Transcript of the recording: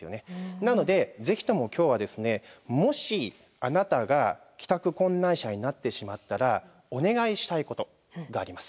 なのでぜひとも今日はもしあなたが帰宅困難者になってしまったらお願いしたいことがあります。